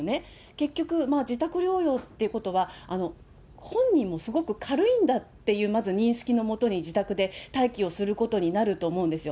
結局、自宅療養っていうことは、本人もすごく軽いんだっていうまず認識のもとに、自宅で待機をすることになると思うんですよ。